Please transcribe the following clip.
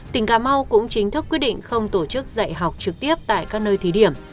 tỉnh cà mau cũng chính thức quyết định không tổ chức dạy học trực tiếp tại các nơi thí điểm